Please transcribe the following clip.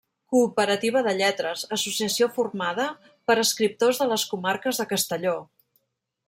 Cooperativa de Lletres; associació formada per escriptors de les comarques de Castelló.